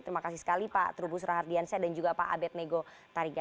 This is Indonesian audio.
terima kasih sekali pak terubu surahardiansyah dan juga pak abed nego tarigandar